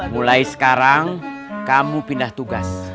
mulai sekarang kamu pindah tugas